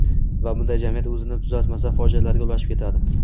va bunday jamiyat o‘zini tuzatmasa, fojialarga ulashib ketadi.